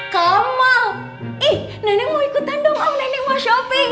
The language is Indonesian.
ke mall ih nenek mau ikutan dong om nenek mau shopping